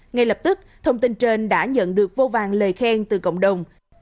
ngay lập tức thông tin trên đã nhận được vô vàng lời khen từ cộng đồng